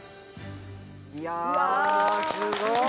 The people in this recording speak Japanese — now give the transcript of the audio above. いやすごい。